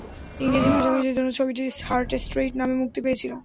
ইংরেজি ভাষাভাষীদের জন্য ছবিটি হার্ট স্ট্রেইট নামে মুক্তি পেয়েছিল।